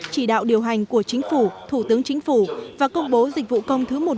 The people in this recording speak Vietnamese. chỉ đạo điều hành của chính phủ thủ tướng chính phủ và công bố dịch vụ công thứ một